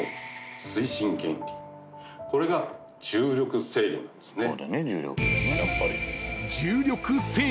これが重力制御なんですね。